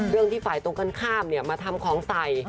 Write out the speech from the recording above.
เรื่องที่ฝ่ายตรงข้างข้ามเนี่ยมาทำของใส